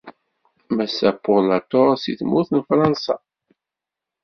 Massa Paule Latore seg tmurt n Fransa.